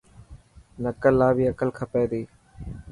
نڪل لا بي عقل کپي تي.